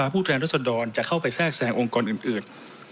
สภาพผู้แทนรัศดรจะเข้าไปแทรกแสงองค์กรอื่นอื่น